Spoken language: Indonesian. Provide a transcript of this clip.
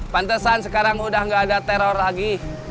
pantesan sekarang udah gak ada teror lagi